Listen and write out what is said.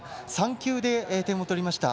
３球で点を取りました。